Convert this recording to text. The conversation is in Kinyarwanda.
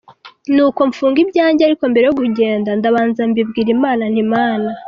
Nuko mfunga ibyanjye, ariko mbere yo kugenda ndabanza mbibwira Imana nti : “Mana